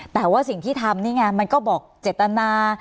แต่ว่าสิ่งที่ทำนี่ไงมันก็บอกเจตนา